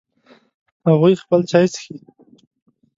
هغوی خپل چای څښي